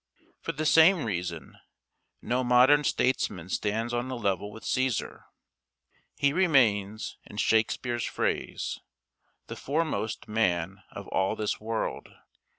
For the same reason, no modern statesman stands on a level with Cæsar. He remains, in Shakespeare's phrase, "the foremost man of all this world."